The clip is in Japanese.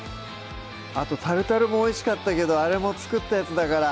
あとタルタルもおいしかったけどあれも作ったやつだから